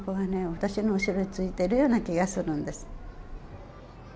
私の後ろについてるような気がするんです。